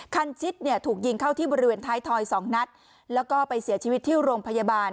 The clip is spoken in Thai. คันชิดเนี่ยถูกยิงเข้าที่บริเวณท้ายทอยสองนัดแล้วก็ไปเสียชีวิตที่โรงพยาบาล